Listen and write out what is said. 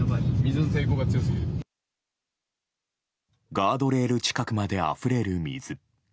ガードレール近くまであふれる水。